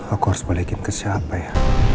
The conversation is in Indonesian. aku harus balikin ke siapa ya